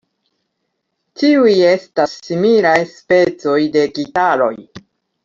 Ĉiuj estas similaj specoj de gitaroj.